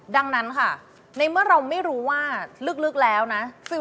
ดังนั้นค่ะในเมื่อเราไม่รู้ว่าลึกแล้วนะ